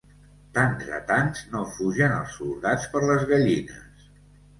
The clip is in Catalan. Tants a tants, no fugen els soldats per les gallines.